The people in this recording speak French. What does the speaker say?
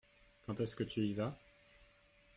Quand est-ce que tu y vas ?